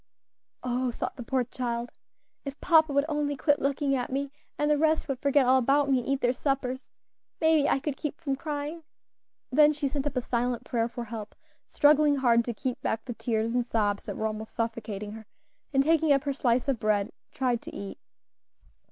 "Oh!" thought the poor child, "if papa would only quit looking at me, and the rest would forget all about me and eat their suppers, maybe I could keep from crying." Then she sent up a silent prayer for help, struggling hard to keep back the tears and sobs that were almost suffocating her, and taking up her slice of bread, tried to eat.